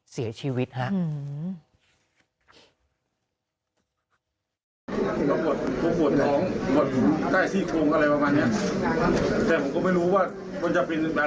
เสียชีวิตค่ะ